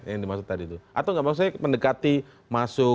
atau tidak maksudnya mendekati masukan